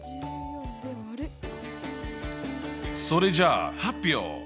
それじゃあ発表！